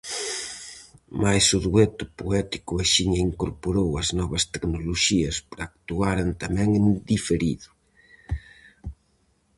Mais o dueto poético axiña incorporou as novas tecnoloxías para actuaren tamén "en diferido".